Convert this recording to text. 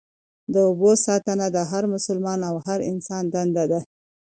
د اوبو ساتنه د هر مسلمان او هر انسان دنده ده.